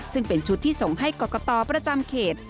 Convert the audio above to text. ซึ่งเป็นชุดที่ส่งให้กรกตประจำเขต